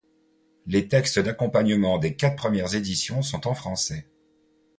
Les textes d'accompagnement des quatre premières éditions sont en français.